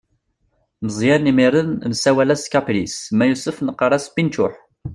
Meẓyan imir-n nessawal-as kapris, ma yusef neqqaṛ-as pinčuḥ.